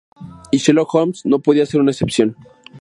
Y Sherlock Holmes no podía ser una excepción.